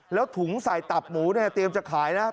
แล้วถุงใส่ตับหมูเตรียมจะขายนะครับ